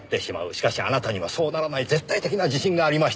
しかしあなたにはそうならない絶対的な自信がありました。